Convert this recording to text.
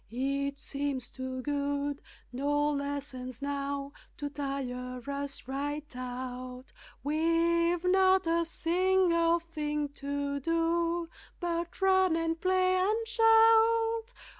It seems too good no lessons now To tire us right out, We've not a single thing to do But run, and play, and shout.